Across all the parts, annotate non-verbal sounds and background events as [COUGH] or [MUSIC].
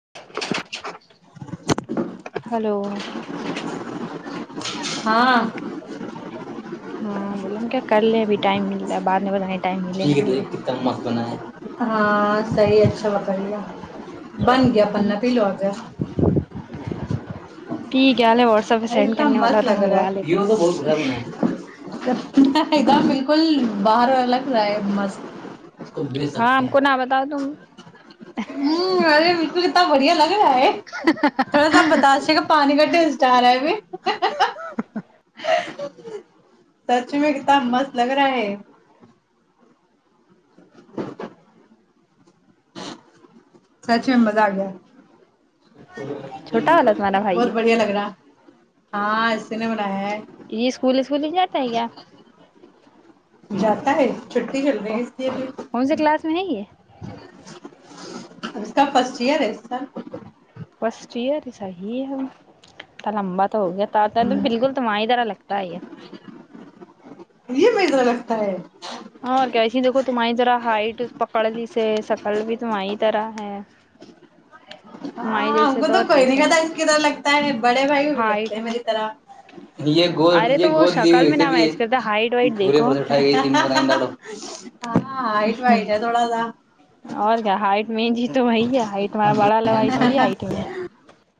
[INAUDIBLE] Hello ہاں ہاں بولے کیا کر لے ابھی ٹائم مل رہ ہے بعد میں بت [UNINTELLIGIBLE] ٹھیک ہے دیکھ کتنا مت بنا ہے [UNINTELLIGIBLE] ہاں صحیح اچھا ب [UNINTELLIGIBLE] کرہیا [UNINTELLIGIBLE] بن گیا ہاں پنا پی لو آ گ [UNINTELLIGIBLE] پ گہے و [UNINTELLIGIBLE] اتم مست لگ رہا ہے و تو بہت گم ہے [UNINTELLIGIBLE] فل بار الگ ہے مست [UNINTELLIGIBLE] ہاں سکتے ہم کو نہ بتاؤ تم ہ ارے بک اتنا بڑھیا لگ رہا ہے تھوڑا سا بتاے گ پانی کا ٹیسٹ [UNINTELLIGIBLE] آرا بھی [UNINTELLIGIBLE] سچ میں کتنا مست لگ رہا ہے [UNINTELLIGIBLE] [UNINTELLIGIBLE] سچ میںم مزہ آ گیا چھوٹا والا تمہارا [UNINTELLIGIBLE] بھائی بہت ہے بڑھیا لگ رہا ہاں اس نے بنایا ہےد یہ اسکول اسکول ہی جاتا ہے کیا [UNINTELLIGIBLE] تاہ [UNINTELLIGIBLE] کون سے کلاس میں ہے یہ [UNINTELLIGIBLE] اس کا فرسٹ ایئر ہے اس کا [UNINTELLIGIBLE] فسٹئر صحی ہے لمبا [UNINTELLIGIBLE] ہو گیا ت ت بالکل توماہ ہی درا لگتا ہی ہے [UNINTELLIGIBLE] یہ مترا لگتا ہے [UNINTELLIGIBLE] اور کیسی دیکھو تمہاری طرح ہائٹ پکڑ لیس سکل بھی تمہاری طرح ہے [UNINTELLIGIBLE] ہاں ہم جیسے کو تو اور کوئی نہیں کیسا کہتا اس کی طرح لگتا ہے بڑے بھائی ہائٹ لگتے میری طرح یہ ارے تو یہ وہ گود لی شکل میں ہوے نہ بھی میچ کرتا ہائٹ وائٹ دیکھو پورےٹائی گئی [UNINTELLIGIBLE] و [UNINTELLIGIBLE] جی [INAUDIBLE] ہاں ہاں آئیٹو وئیٹ ہے تووڑا لا [UNINTELLIGIBLE] اور کیا ہائٹ [UNINTELLIGIBLE] می تو وہی ہے ہائٹ ما بڑا ل بھائی تھوڑی ہائٹ میں [UNINTELLIGIBLE]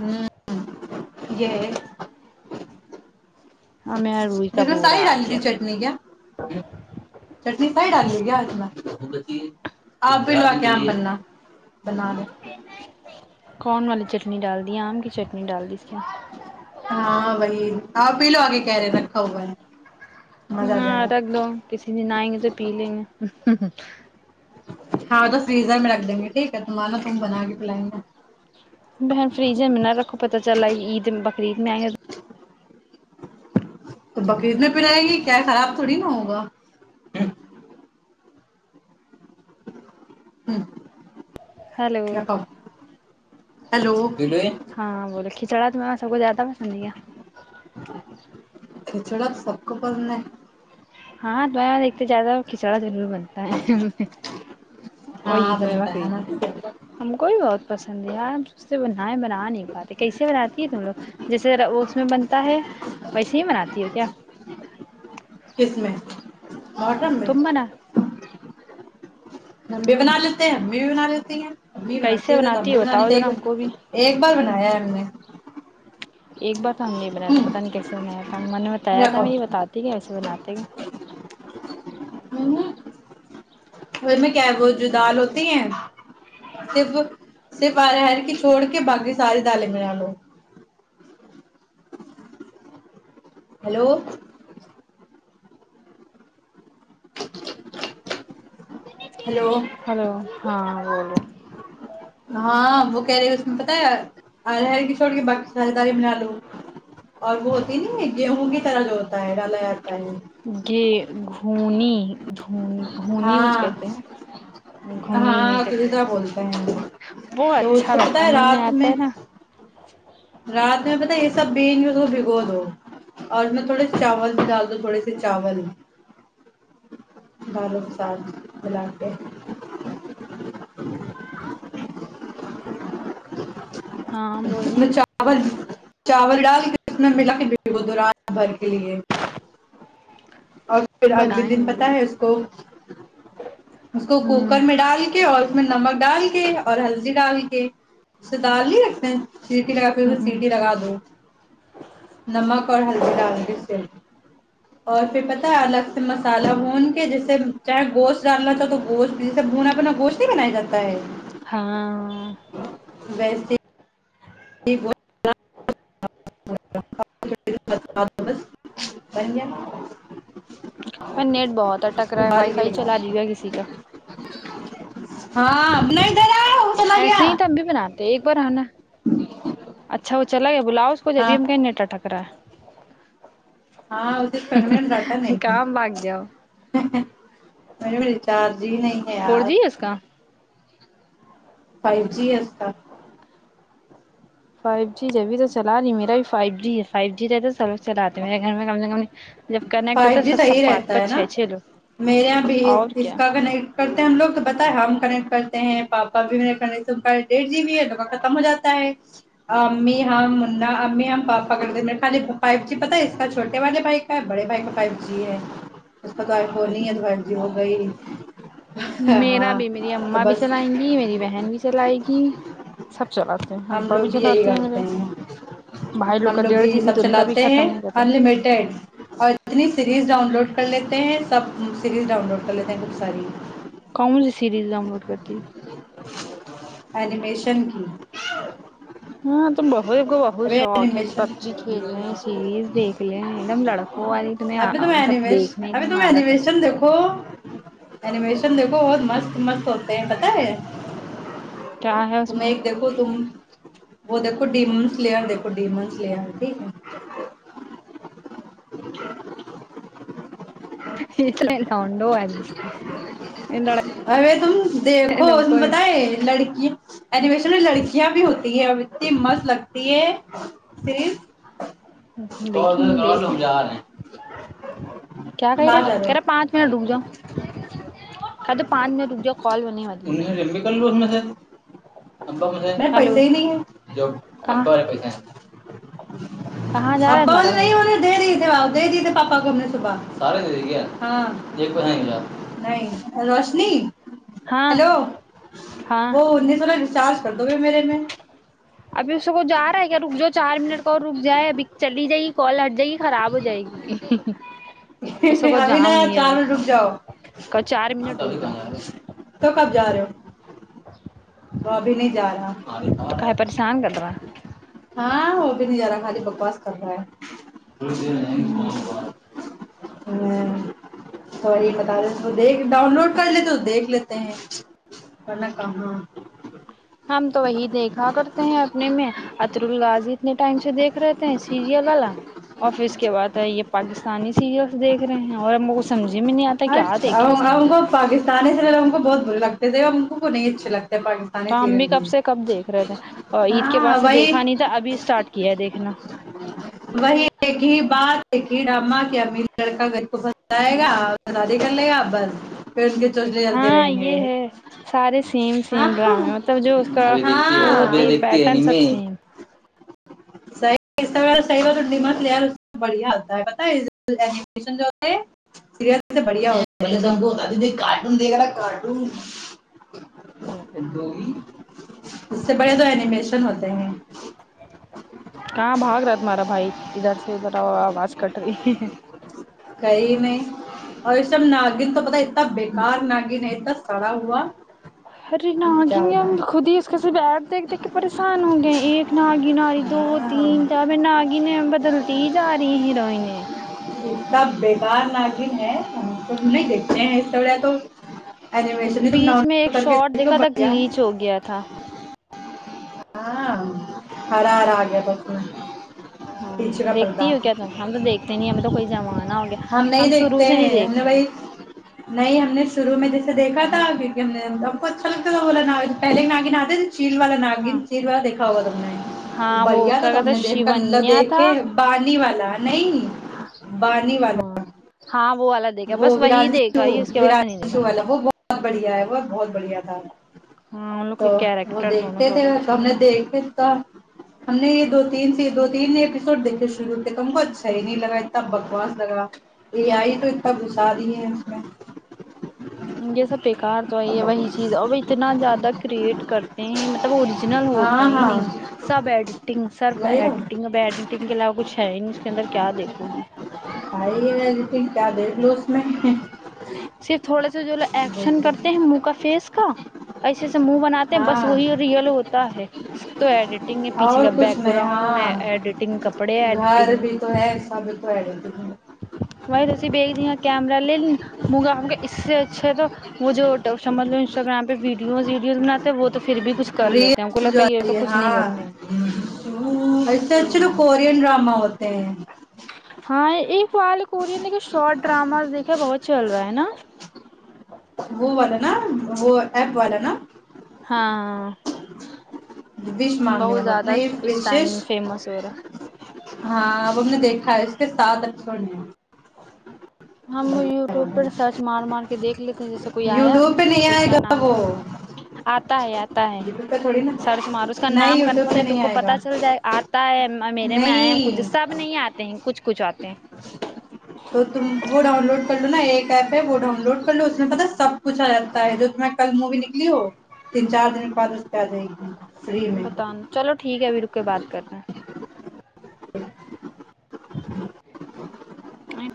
ہاں [UNINTELLIGIBLE] یہ [UNINTELLIGIBLE] اور میرا روئی پ کا بورا سائی آ ڈالی گیا تھی چٹنی کیا [UNINTELLIGIBLE] چٹنی سی ڈال لی گج میں آپ بھی لو کے بننا بنا ل [UNINTELLIGIBLE] کون والی چٹنی ڈال دی آم کی چٹنی ڈال دی اس کیا [UNINTELLIGIBLE] ہاں بائی آپ پیلو آگے کہ رے رکھاؤ بائی [UNINTELLIGIBLE] ہاں رکھ دو کسی د نہائیں گے تو پی لیں گے [UNINTELLIGIBLE] ہوں ہ [UNINTELLIGIBLE] ہاں تو فزر میں رکھ دیں گے ٹھیک ہے تمہار نہ ت بنا گ پلائیں گے بہن فریج میں نہ رکھو پت چل عید بقرعید میں آئے تو بکرید میں پ آائے گی کیا خراب تھوڑی نا ہوگا ہیلو ہاں ہلو چڑ میں سب کو زیادہ پسند کیا ک بند ہاں دائیں دھتے زیادہ کھچڑارور بن اور ہاں عید ہو ہے بنتا بقرریید نا ٹھیک ہے ہم کو بھی بہت پسند سے بن بنا نہیں پاتے کیسے بناتی ہے تم لوگ جیسےذرا اس میں بنتا ہے ویسے ہی بناتی ہو کیا کس میں ہم مٹ میں م بھی بنا لیتے ہیں امی بھی بنا لیتی ہیں امی کیسے بناتے تھ تھے تو ہم بناتی بھی ہو بنا بتاؤ لیتے ایک ذرا ہم کو ب بھی ایک بار بنایا ہے ہم نے ایک بار تو ہم نہیں بنایا تو پتا نہیں کیسے بنایا تھا میں نے ہ بتایا تھا رکھو میں یہ بتااتی کہسے بناتے ہیں اس میں کیا ہے وہ جو دال ہوتی ہیں صرف صرف آرر کی چھوڑ کے باقی ساری دالیں ب ڈالو ہیلو ہاں ہلو ہاں بولو ہاں وہ کہہ رہے اس میں پتاہ ہے ہر ہر کی چھو کے ہ تاری بنا لو اور وہ ہوتی ہے نا گیہوں کی طرح جو ہوتا ہے ڈالا جاتا ہے گ گھونی دھنی ہونی کچھ ہاں کہتے ہیں گھونی ہاں اونی کر کے گریجا بولتے ہیں وہ تو اس اچھا کو پت ہے رات میں چھا رات میں پتا یہ سب بھیین اس کو بھگو دو اور میں تھوڑے چاول بھی ڈال دو تھوڑے سے چاول دالوں کے ساد ملا کے ہاں است بولو میں چاول چاول ڈال کے ات میں ملا کے وہ دوران بھر کے لیئے اور پھر اگلے بنائیں دن گے پت ہم بھی۔ ہے اس کو اس کو ہوں کوکر میں ڈال کے اور اس میں نمک ڈال کے اور ہلدی ڈال کے اسے ڈال ہی رکھتے ہیں سیٹی لگا پ ہو ہوں سیٹی لگا دو نمک اور ہلدی ڈال کے [UNINTELLIGIBLE] اور پھر پتا ہے الگ سے مسالہ بھون کے جیسے چاہے گوشت ڈالنا چاہو تو گوشت جیسے بھنا بنا گوشت نہیں بنایا جاتا ہے [UNINTELLIGIBLE] ہاں ویسے [UNINTELLIGIBLE] ہی ہ [UNINTELLIGIBLE] [UNINTELLIGIBLE] میں نیٹ بہت ہے ٹک رہا ہے وائی ابال کے فائی لگا چلا دی گا کسی کا [UNINTELLIGIBLE] ہاں بب نہیںائی د رہا [UNINTELLIGIBLE] ایسے ہی ت امب بھی بناان [UNINTELLIGIBLE] تو ایک بار آناا [UNINTELLIGIBLE] اچھا وہ چلا گیا بلاؤ اس کو ہاں جبھی ہم کہیں نیٹا ٹھک رہا ہے [UNINTELLIGIBLE] ہاں اس فم میں ڈاٹا ہے نہیں کام بھاگ جاؤ ہے مے م چارجی نہیں ہے فور یار [UNINTELLIGIBLE] جی ہے اس کا فائیو جی آتا [UNINTELLIGIBLE] فائیو جی جبھی تو چلا نہیں میرا بھی فائیو جی ہے فائیو جی رہتا [UNINTELLIGIBLE] چلاتے میرے گھر میں کم سے کم جب [UNINTELLIGIBLE] فائیو ہے جی سب سب صحیح پانچ رہتا ہے پانچ نا چھ چھ لوگ میرے یہاں بھی اور اس کیا کا کنیکٹ کرتے ہیں ہم لوگ تو بت ہم [UNINTELLIGIBLE] کنٹ کرتے ہیں پاپا بھی ڈیھ جی بھی ہے لوگ کا ختم ہو جاتا ہے امی ہمنا امی ہم پاپا خ فو جی پتا ہے اس کا چھوٹے والے بھائی کا [UNINTELLIGIBLE] بڑے بھائی مقائی جی ہے [UNINTELLIGIBLE] پ ہو نہیںنی ہے دووائائی جی ہو گئیی [UNINTELLIGIBLE] میرا بھی میری تو امما بھی بس چلیں گی میری بہن بھی چلائے گی سب چلاتے ہیں ہم ابا لوگ بھی یہی چلاتے ہیں میرے کرتے بھائی لوگ ہم کا ڈڑھ جی بھی سب تو ان کا بھی چلاتے ہیں ختم ہو جاتا ہے انلمیٹیڈ [UNINTELLIGIBLE] اور جتنی سیریز ڈاؤن لوڈ کر لیتے ہیں سب سیریز ڈاؤن لوڈ کر لیتے ہیں خب ساری [UNINTELLIGIBLE] کامن سیریز ڈاؤنلوڈ کرتی [UNINTELLIGIBLE] اینیمیشن کی [UNINTELLIGIBLE] ہاں تو بہت کو بہت ابھی شوق ہے کہ اینیمیشن پب جی کھیل لے سیریز دیکھ لیں ایک دم لڑکوں [UNINTELLIGIBLE] تمہیں ابھی تم مطلب اینیمیش دیکھنے ابھی ایکنے میں تم عادت ہے اینیمیشن دیک [UNINTELLIGIBLE] کوش [UNINTELLIGIBLE] یکھو بہت مست مست ہو [UNINTELLIGIBLE] بت ہے کیا ہے [UNINTELLIGIBLE] تم اس ایک دیکھو تم [UNINTELLIGIBLE] وہ تو کڈی منس لیا د کڈی منس لیا ہے [UNINTELLIGIBLE] ج میں لونڈو والی [UNINTELLIGIBLE] ار تم لڑکے دیکھو تم کو بت ہے لڑکیاں [UNINTELLIGIBLE] ایڈوکیشن میں لڑکیاں بھی ہوتی ہیں [UNINTELLIGIBLE] ت مس لگتا ہے [UNINTELLIGIBLE] تے صریف [UNINTELLIGIBLE] دیکھی نہیں دیکھ لیں [UNINTELLIGIBLE] [INAUDIBLE] کیا ہم کہ رہے جا کہ رہے پانچ منٹ رک جا ہیں کہ تو پانچ منٹ رک جاؤ کال میں نہیں وال انہیں مبر مھ پیسے ہی نہیں کہاں ہےمبا پ [UNINTELLIGIBLE] کہاں جا رہا ہے تمہارا بھائی آ ج پاپا گومنےبح سار ہاں ج کو نہیں روشنی ہاں ہیلو ہاں وہ انیس سو ڈسچارج [UNINTELLIGIBLE] س دوو میرے میں [UNINTELLIGIBLE] ابھی اس کو جا رہا ہے کیا رک ج چار منٹ کا اور رک جائے ابھی چلی جائےے کال جائے گی خراب ہو جائے گی اس سے کو ابھی نا جاؤ یار, نہیں چار ابھی منٹ رک جاؤ ک چار ہاں منٹ تو رک ابھی جاؤ کہاں جا رہے ہو [UNINTELLIGIBLE] کب جا رہے ہو [UNINTELLIGIBLE] چ [INAUDIBLE] تو ابھی نہیں جا رہا پریشان کر رہا ہاں وہ بھی نہیں جا رہا خالی بکواس کر رہا ہے [UNINTELLIGIBLE] [INAUDIBLE] ہے ہ تو وہی بتا رہے تو دیکھ ڈاؤن لوڈ کر لیتے تو دیکھ لیتے ہیں ورن کہاں [UNINTELLIGIBLE] ا [INAUDIBLE] ہم تو وہی دیکھا کرتے ہیں اپنے میں اطر ال غازی اتنے ٹائم سے دیکھ رہےتے ہیں سیریل والا اور پھر اس کے بعد ہے یہ پاکستان آسانی سیریلس دیکھ رہے اور ہم سمجھ [UNINTELLIGIBLE] کیا اچھا دیکھے اس کے ہم اندر کو پاکستانی سے ہم کو بہت برے لگتے تھے ہم ان کو نہیں اچے لگتے [UNINTELLIGIBLE] تو ہم بھی کب سے کب دیکھ رہے تھے اور عید کے بعد ہاں سے وہی دیکھا نہیں تھا ابھی اسٹارٹ کیا ہے دیکھنا وہی ایک ہی بات ایکھی ڈما کی امیر لڑکا گھر کو پس آئے گا بادی کرنے آ بس [UNINTELLIGIBLE] پ کے چچے چلتے ہاں رہیں گے یہ ہے سارے سیم سیم ڈرامے مطلب جو اس کا وہ ہوتی دیکھتی ہے پیٹرن ن سب میں سیم [UNINTELLIGIBLE] صحیح صحی ڈم بڑھیا ہوتا ہے سری [UNINTELLIGIBLE] بڑھیا ہولے سم کو ہوتا د کارٹون دیکھا نا کارٹون اس سے بڑے تو اینیمیشن ہوتے [UNINTELLIGIBLE] ج [UNINTELLIGIBLE] کہاں بھاگ رہا تمہارا بھائی ادھر سے ادھر آواز کٹ رہی [UNINTELLIGIBLE] کئی نہیں اور اس ٹائم ناگن تو پتا اتنا بیکار ناگن ہے اتنا سڑا ہوا ارے کیا ناگن ہوتا ہم ہے خود ہی اس کے سے بیھ دیکھ دیکھ کے پریشان ہو گئے ہیں ایک ناگن آ رہی دو ہاں تین چار ناگن بدلتی ہی جا رہی ہیں ہیروئن [UNINTELLIGIBLE] سب بیکار ناگن ہے ت نہیں دیکھتے ہیں اس س و تو اینمیشن بھی تم ڈاؤن بیچ میں لوڈ ایک کر کے شارٹ دیکھ لو دیکھا تھا بڑھیا گلیچ ہو گیا تھا [UNINTELLIGIBLE] ہاں ہرار آ گیا بس میں [UNINTELLIGIBLE] پیچھے ہاں کا پردہ دیکھتی ہو کیا تم ہم تو دیکھتے نہیں ہمیں تو کوئی جمانہ ہو گیا نہیں ہم شروع دیکھتے سے نہیں ہیں دیکھتے [UNINTELLIGIBLE] ہم نے بھائی نہیں ہم نے [UNINTELLIGIBLE] شروع میں جیسےیکھا تھا کیکہ ہم نے ہم کو اچھا لگتا تھا وہ بولاا پہے ایک ناگ نہاتے تھے [UNINTELLIGIBLE] چیل والا ہاں ناگن چیل والا دیکھا ہوا تم نے وہ ہاں بڑھیا کیا تھا ت کہتے نے د شیونیا تھا دیکھے بانی والا نہیں بانی ہاں والا ہاں [UNINTELLIGIBLE] وہ والا دیکھا وہ بس وہی ورانشو دیکھا ہی اس کے بعس نہیں دیکھا ورانشو میں نے والا وہ [UNINTELLIGIBLE] بہت بڑھیا ہے وہت بہت بڑھیا تھا ہاں ان لوگ [UNINTELLIGIBLE] تو کے وہ کیریکٹر دونوں دیکھتے کے تھے بہت تو اچھے ہم نے تھے دیکھے تھا ہم نے یہ دو تین سے دو [UNINTELLIGIBLE] تین اییسوڈ دیکے شروع ہوتے تم کو اچھا ہی نہیں لگا اتنا بکواس لگا یہ آئی تو [UNINTELLIGIBLE] پ گھسا دیے اس میں [UNINTELLIGIBLE] یہ سب بیکار تو ہے یہ وہی چیز اور اتنا زیادہ کریئٹ کرتے ہیں مطلب اوریجنل ہوتا ہاں ہی ہاں نہیں سب ایڈیٹنگ سرف وہی تو ایڈٹنگ ا ایڈیٹنگ کے علاوہ کچھ ہے ہی نہیں اس کے اندر کیا دیکھو گی بھائی ایڈیٹنگ کیا [UNINTELLIGIBLE] [UNINTELLIGIBLE] صرف تھوڑا سے جو لو ایکشن دیکھیے کرتے ہیں منہ کا فیس کا ایسےسے منہ بناتے ہیں بس ہاں وہی ریئل ہوتا ہے تو ایڈیٹنگ ہے پیچھے اور کا کچھ بیک نہیں گراؤنڈ ہاں ایڈیٹنگ کپڑے گھر ایڈیٹنگ بھی تو ہے سب تو ایڈیٹنگ وہائی تو بی [UNINTELLIGIBLE] کیمرا لے لین مگا اس سے اچھا ہے تو وہ جو سمجھ لو انسٹاگررام پہ ویڈیو [UNINTELLIGIBLE] وڈیز بناتے بہ [UNINTELLIGIBLE] ری جوی ہے نہیں ہاں کرتے ہیں ایسے اچھ [UNINTELLIGIBLE] کورین ڈرامہ ہوتے ہیں [UNINTELLIGIBLE] پی کورن دیکے شارٹ ڈراماز دیکھا بہت چل رہا ہے نا وہ والا [UNINTELLIGIBLE] نا وہ ایپ والا نا ہاں وش مانگنے بہت والا اپنا زیادہ یہ اس ٹائم وشش فیمس ہورہا ہاں اب ہم نے دیکھا ہے اس کے ساتھ ایپیسوڈ ہم یوٹیوب پر سرچ مار مار کے کے دیکھ لیتے جیسے کوئی آیا یوٹیوب پہ نہیں تو اس آئے کا گا نام وہ بتا آتا ہے آتا ہے یوٹیوب پہ تھوڑی نا سرچ مارو اس کا نہیں نام یوٹیوب کنفرم پہ جو تم نہیں کو آئے پتا گا چل جائے آتا ہے میں میرے میں آیا کچھ نہیں سب نہیں آتے ہیں کچھ کچھ آتے ہیں تو تم وہ ڈاؤن لوڈ کر لو نا ایک ایپ ہے وہ ڈاؤن لوڈ کر لو اس میں پتا سب کچھ آ جاتا ہے جو تمہیں کل موی نکلی ہو تین چار دن کے بعد اس پہ آ جائے گی فری میں بتانا چلو ٹھیک ہے ابھی رک کے بات کرنا ہیں